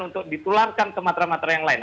untuk ditularkan ke matra matra yang lain